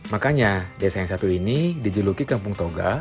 makanya desa yang satu ini dijuluki kampung toga